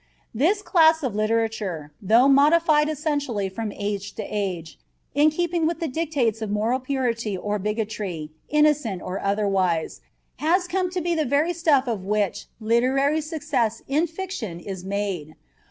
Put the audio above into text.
This class of literature, though modified essentially from age to age, in keeping with the dictates of moral purity or bigotry, innocent or otherwise, has come to be the very stuff of which literary success in fiction is made.